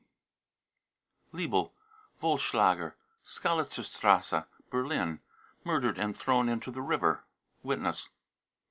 {WTB.) leibl vollschlager, Skalitzerstrasse, Berlin, mur dered and thrown into the river. (Witness.)